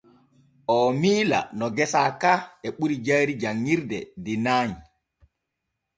Oo miila no gesa ka e ɓuri jayri janŋirde de nay.